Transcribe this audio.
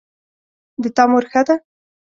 د تا مور ښه ده